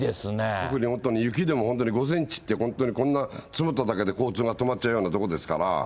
特に本当に５センチってこんな積もっただけで交通が止まっちゃうような所ですから。